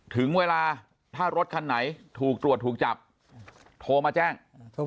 ถึงเวลาถ้ารถคันไหนถูกตรวจถูกจับโทรมาแจ้ง